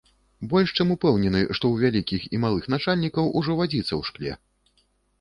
Больш чым упэўнены, што ў вялікіх і малых начальнікаў ужо вадзіца ў шкле.